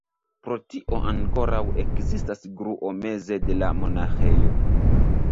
Pro tio ankoraŭ ekzistas gruo meze de la monaĥejo.